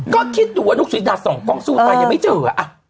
ก็คิดดูว่านุกสุรินัท๒กล้องสู้ตายยังไม่เจออ่ะ